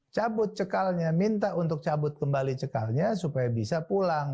cabut cekalnya minta untuk cabut kembali cekalnya supaya bisa pulang